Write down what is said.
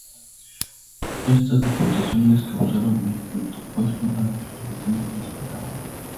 Estas deportaciones causaron el efecto opuesto al que los británicos esperaban.